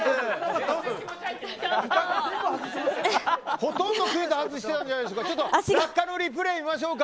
ほとんどクイズ外してたんじゃないでしょうか。